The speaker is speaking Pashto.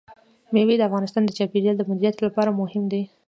مېوې د افغانستان د چاپیریال د مدیریت لپاره مهم دي.